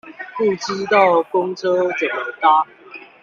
不知道公車怎麼搭